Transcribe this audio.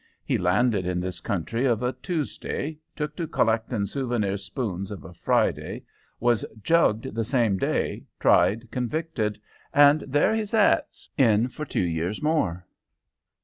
He landed in this country of a Tuesday, took to collectin' souvenir spoons of a Friday, was jugged the same day, tried, convicted, and there he sets. In for two years more."